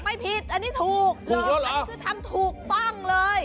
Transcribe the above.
ไม่ผิดอันนี้ถูกอันนี้คือทำถูกต้องเลย